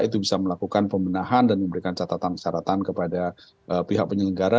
itu bisa melakukan pembenahan dan memberikan catatan persyaratan kepada pihak penyelenggara